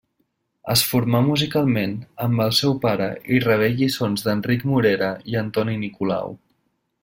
Es formà musicalment amb el seu pare i rebé lliçons d'Enric Morera i Antoni Nicolau.